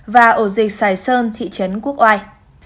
và ổ dịch sài sơn thị trấn quốc oai